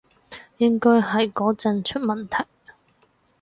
應該係嗰陣出問題